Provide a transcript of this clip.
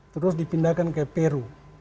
terus dipindahkan ke peru